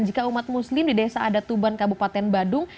jika umat muslim di desa adatuban kabupaten badung